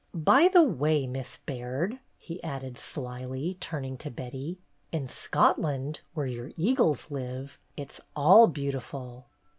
By the way, Miss Baird,'' he added slyly, turning to Betty, '"in Scotland, where your eagles live, it 's all beautiful."